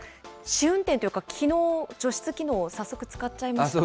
試運転っていうか、きのう、除湿機能を早速使っちゃいました。